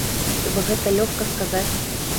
Хіба гэта лёгка сказаць?